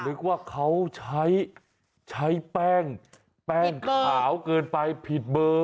หรือว่าเขาใช้แป้งขาวเกินไปผิดเบอร์